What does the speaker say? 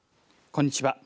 こんにちは。